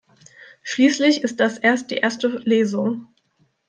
Schließlich ist das erst die erste Lesung.